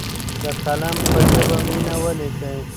د قلم په ژبه مینه ولیکئ.